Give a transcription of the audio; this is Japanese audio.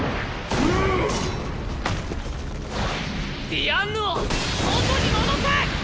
ディアンヌを元に戻せ！